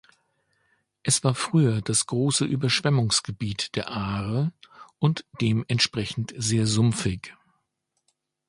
Es war früher das grosse Überschwemmungsgebiet der Aare und dementsprechend sehr sumpfig.